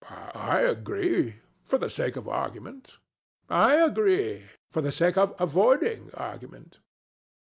I agree, for the sake of argument. THE STATUE. I agree, for the sake of avoiding argument.